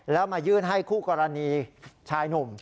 แล้วมายื่นให้คู่กรณีชายหนุ่ม